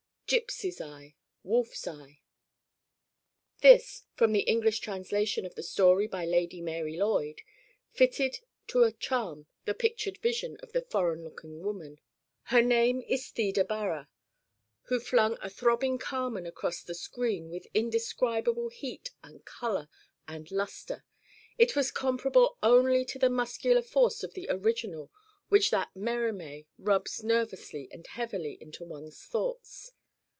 Gypsy's eye, wolf's eye' This (from the English translation of the story by Lady Mary Loyd) fitted to a charm the pictured vision of the foreign looking woman her name is Theda Bara who flung a throbbing Carmen across the screen with indescribable heat and color and luster. It was comparable only to the muscular force of the original which that Mérimée rubs nervously and heavily into one's thoughts.